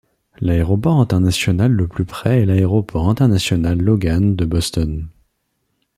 L’aéroport international le plus près est l’aéroport international Logan de Boston.